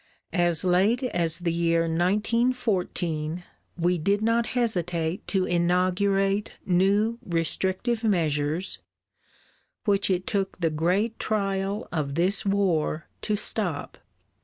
As late as the year 1914 we did not hesitate to inaugurate new restrictive measures, which it took the great trial of this War to stop.